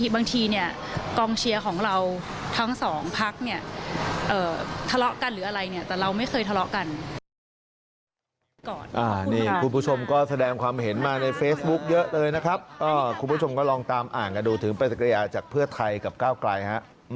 บางครองเชียร์ของเราทั้งสองภักดิ์เนี่ยทะเลาะกันหรืออะไรเนี่ยแต่เราไม่เคยทะเลาะกัน